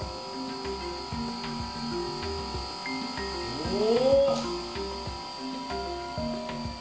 おお！